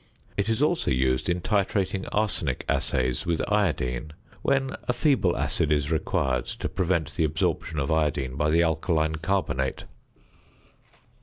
It is also used in titrating arsenic assays with "iodine" when a feeble acid is required to prevent the absorption of iodine by the alkaline carbonate.